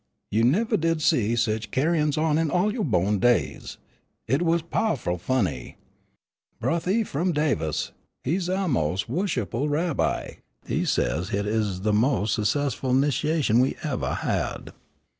"You nevah did see sich ca'in's on in all yo' bo'n days. It was pow'ful funny. Broth' Eph'am Davis, he's ouah Mos' Wusshipful Rabbi, he says hit uz de mos' s'cessful 'nitination we evah had.